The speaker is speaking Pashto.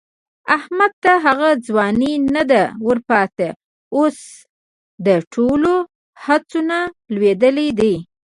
احمد ته هغه ځواني نه ده ورپاتې، اوس له ټولو هڅو نه لوېدلی دی.